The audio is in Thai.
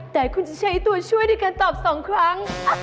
แต่คุณจะใช้ตัวช่วยด้วยกันตอบสองครั้ง